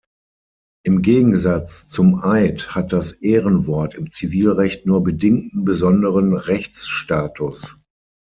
Im Gegensatz zum Eid hat das Ehrenwort im Zivilrecht nur bedingten besonderen Rechtsstatus.